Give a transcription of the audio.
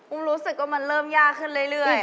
รู้สึกว่ามันเริ่มยากขึ้นเรื่อย